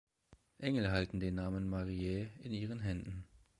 Engel halten den Namen Mariä in ihren Händen.